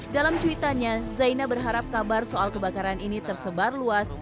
dalam cuitannya zaina berharap kabar soal kebakaran ini tersebar luas